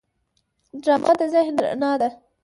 ډرامه د ذهن رڼا ده